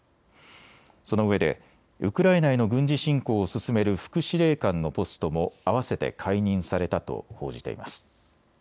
そのうえでウクライナへの軍事侵攻を進める副司令官のポストもあわせて解任されたと報じています。